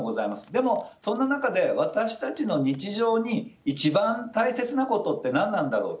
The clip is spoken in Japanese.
でも、そんな中で私たちの日常に一番大切なことって何なんだろう。